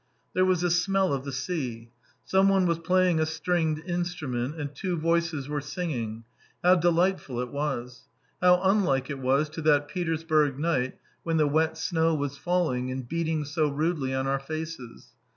There was a smell of the sea. Some one was playing a stringed instrument and two voices were singing. How delightful it was! How unlike it was to that Petersburg night when the wet snow was falling and beating so rudely on our faces.